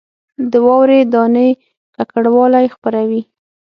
د واورې دانې ککړوالی خپروي